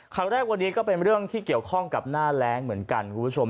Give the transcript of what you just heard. ข่าวแรกวันนี้ก็เป็นเรื่องที่เกี่ยวข้องกับหน้าแรงเหมือนกันคุณผู้ชม